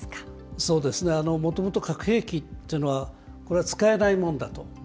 そうですね、もともと核兵器っていうのは、これは使えないものだと。